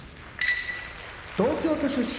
東京都出身